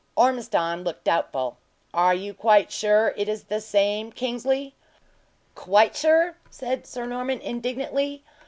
Ormiston looked doubtful. "Are you quite sure it is the same, Kingsley?" "Quite sure?" said Sir Norman, indignantly.